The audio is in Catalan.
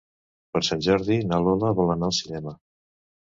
Per Sant Jordi na Lola vol anar al cinema.